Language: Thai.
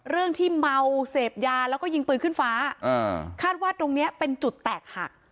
เรื่องที่เมาเสพยาแล้วก็ยิงปืนขึ้นฟ้าคาดว่าตรงเนี้ยเป็นจุดแตกหัก